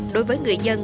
đối với người dân